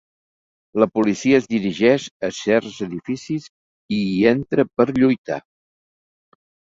La policia es dirigeix a certs edificis i hi entra per lluitar.